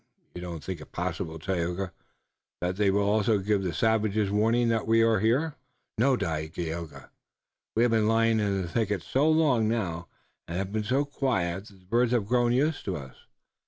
You don't think it possible, Tayoga, that they will also give the savages warning that we are here?" "No, Dagaeoga, we have been lying in the thickets so long now, and have been so quiet that the birds have grown used to us.